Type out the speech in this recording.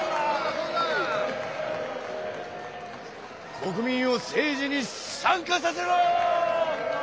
国民を政治に参加させろ！